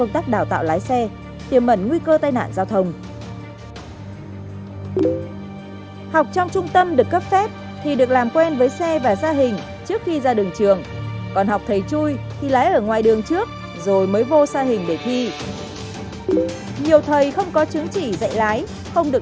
tiềm mẩn nguy cơ gây tai nạn rất lớn khi tham gia giao thông bởi nhiều lý do